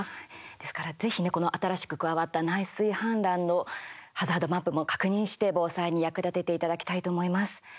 ですから、ぜひね新しく加わった内水氾濫のハザードマップも確認して防災に役立てていただきたいと思います。